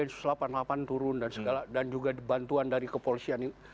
itu kan d satu ratus delapan puluh delapan turun dan segala dan juga bantuan dari kepolisian